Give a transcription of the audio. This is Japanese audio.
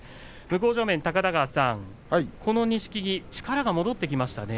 向正面高田川さん錦木、力が戻ってきましたね。